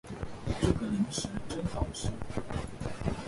这个零食真好吃